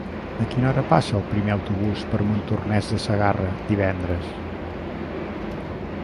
A quina hora passa el primer autobús per Montornès de Segarra divendres?